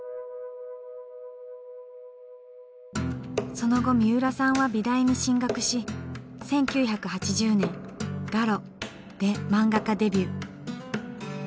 その後みうらさんは美大に進学し１９８０年「ガロ」で漫画家デビュー。